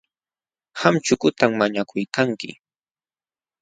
Qam chukutam mañakuykanki.,